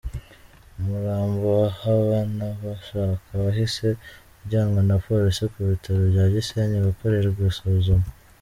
Umurambo wa Habanabashaka wahise ujyanwa na Polisi ku Bitaro bya Gisenyi gukorerwa isuzuma.